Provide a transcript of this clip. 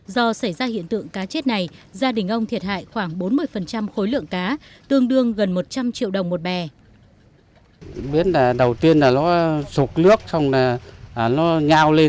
do xảy ra hiện tượng cá chết này gia đình ông thiệt hại khoảng bốn mươi khối lượng cá tương đương gần một trăm linh triệu đồng một bè